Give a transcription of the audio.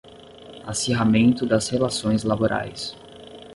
Acirramento das relações laborais